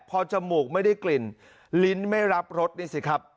พอจมูกไม่ได้กลิ่นลิ้นไม่รับรสนี่สิครับ